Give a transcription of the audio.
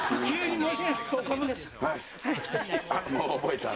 もう覚えたね。